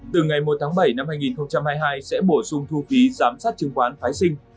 từ ngày một tháng bảy năm hai nghìn hai mươi hai sẽ bổ sung thu phí giám sát chứng khoán phái sinh